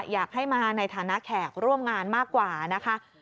อยากให้มาในฐานะแขกร่วมงานมากกว่านะคะ